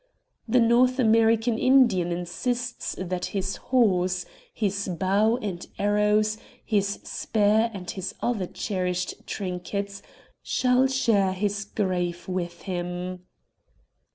The North American Indian insists that his horse, his bow and arrows, his spear, and his other cherished trinkets shall share his grave with him.